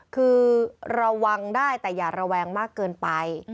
คือระวังได้แต่อย่าระแวงมากเกินไป